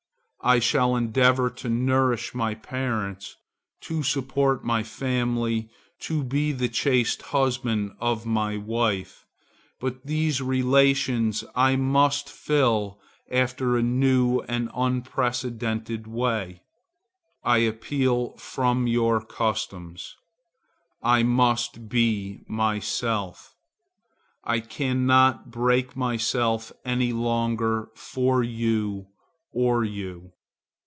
I shall endeavour to nourish my parents, to support my family, to be the chaste husband of one wife,—but these relations I must fill after a new and unprecedented way. I appeal from your customs. I must be myself. I cannot break myself any longer for you, or you.